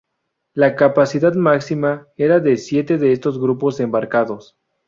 La capacidad máxima era de siete de estos grupos embarcados.